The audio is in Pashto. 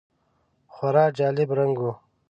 خورا جالب رنګ و .